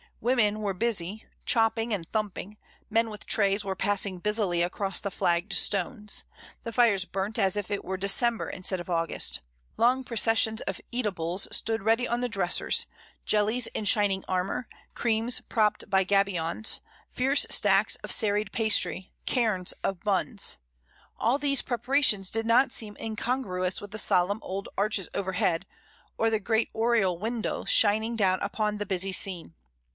Women were busy, chopping and thumping, men with trays were passing busily across the flagged stones; the fires burnt as if it were De cember instead of August; long processions of eatables stood ready on the dressers, jellies in shin ing armour, creams propped by gabions, fierce stacks of serried pastry, cairns of buns. All these prepara tions did not seem incongruous with the solemn old arches overhead, or the great oriel window shining down upon the busy scene.